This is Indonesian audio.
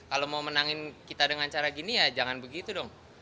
kalau mau menangin kita dengan cara gini ya jangan begitu dong